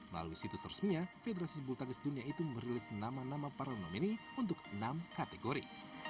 lalu situs resminya federasi bultangis dunia itu merilis nama nama para nomini untuk enam kategori